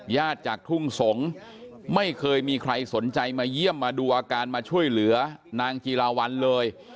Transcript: จากทุ่งสงศ์ไม่เคยมีใครสนใจมาเยี่ยมมาดูอาการมาช่วยเหลือนางจีราวัลเลย